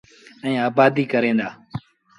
ائيٚݩ آبآديٚ ڪريݩ دآ۔